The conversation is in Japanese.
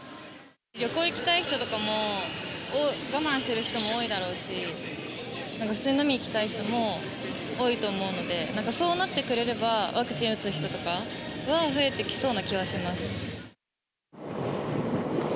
旅行行きたい人とかも、我慢してる人も多いだろうし、なんか普通に飲み行きたい人も多いと思うので、なんかそうなってくれれば、ワクチン打つ人とかは増えてきそうな気はします。